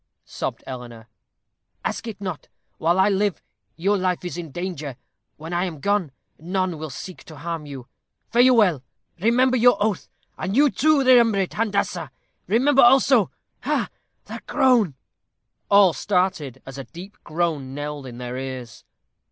sobbed Eleanor. "Ask it not. While I live, your life is in danger. When I am gone, none will seek to harm you. Fare you well! Remember your oath, and you, too, remember it, Handassah. Remember also ha! that groan!" All started, as a deep groan knelled in their ears.